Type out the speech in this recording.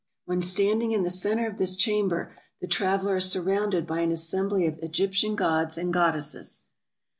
When standing in the center of this chamber, the traveler is surrounded by an assembly of Egyptian gods and goddesses.